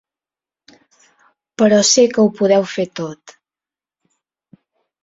Però sé que ho podeu fer tot.